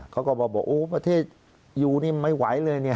เขาก็บอกโอ้ประเทศอยู่นี่ไม่ไหวเลยเนี่ย